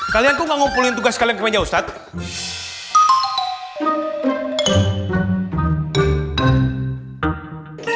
kalian kok nggak ngumpulin tugas kalian ke meja ustadz